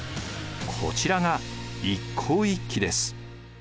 こちらが一向一揆です。